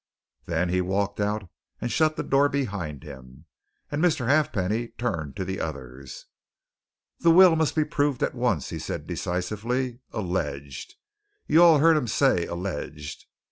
Then he walked out and shut the door behind him, and Mr. Halfpenny turned to the others. "The will must be proved at once," he said decisively. "Alleged you all heard him say alleged!